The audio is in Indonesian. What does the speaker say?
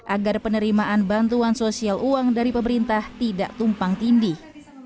agar penerimaan bantuan sosial uang dari pemerintah tidak tumpang tindih